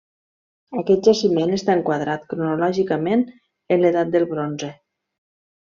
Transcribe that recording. Aquest jaciment està enquadrat cronològicament en l'Edat del Bronze.